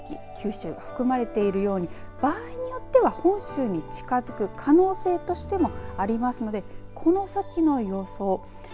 九州含まれているように場合によっては本州に近づく可能性としてもありますのでこの先の予想